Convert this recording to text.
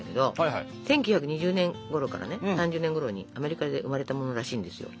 １９２０年ごろからね３０年ごろにアメリカで生まれたものらしいんですよ。